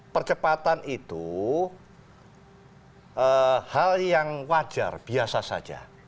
percepatan itu hal yang wajar biasa saja